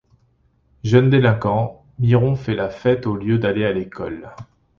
Jeune délinquant, Miron fait la fête au lieu d’aller à l’école.